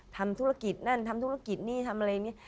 ทำธุรกิจนั่นทำธุรกิจนี่ทำอะไรอย่างนี้